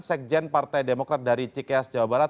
sekjen partai demokrat dari cikeas jawa barat